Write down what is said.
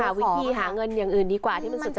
คือหาวิธีหาเงินอย่างอื่นดีกว่าที่มันสุจริงนะ